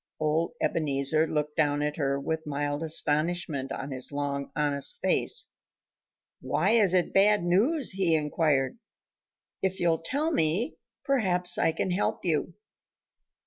Old Ebenezer looked down at her with mild astonishment on his long, honest face. "Why is it bad news?" he inquired. "If you'll tell me, perhaps I can help you."